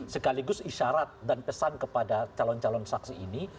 sekaligus isyarat dan pesan kepada calon calon saksi ini